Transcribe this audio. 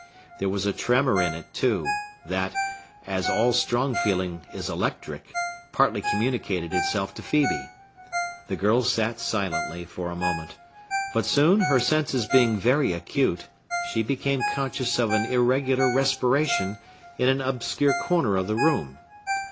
There was a tremor in it, too, that—as all strong feeling is electric—partly communicated itself to Phœbe. The girl sat silently for a moment. But soon, her senses being very acute, she became conscious of an irregular respiration in an obscure corner of the room.